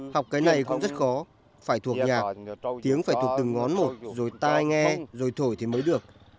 học cái này cũng rất khó phải thuộc nhạc tiếng phải thuộc từng ngón một rồi tai nghe rồi thổi thì mới được